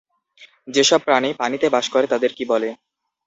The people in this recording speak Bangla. যেসব প্রাণী পানিতে বাস করে তাদের কী বলে?